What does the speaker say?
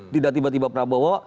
tidak tiba tiba prabowo